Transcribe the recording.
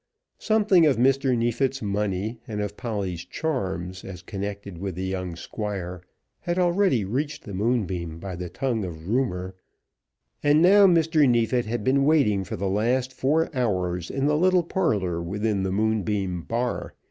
Something of Mr. Neefit's money, and of Polly's charms as connected with the young Squire, had already reached the Moonbeam by the tongue of Rumour; and now Mr. Neefit had been waiting for the last four hours in the little parlour within the Moonbeam bar.